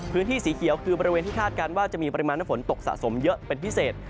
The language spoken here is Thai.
สีเขียวคือบริเวณที่คาดการณ์ว่าจะมีปริมาณน้ำฝนตกสะสมเยอะเป็นพิเศษ